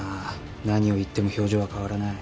何を言っても表情は変わらない。